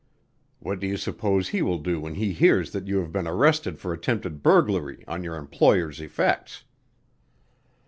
What do you suppose he will do when he hears that you have been arrested for attempted burglary on your employer's effects?"